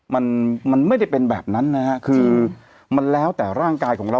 มันมันไม่ได้เป็นแบบนั้นนะฮะคือมันแล้วแต่ร่างกายของเรา